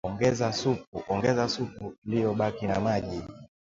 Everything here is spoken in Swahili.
Ongeza supu iliyobaki na maji